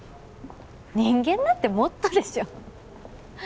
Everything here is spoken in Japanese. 人間なんてもっとでしょ。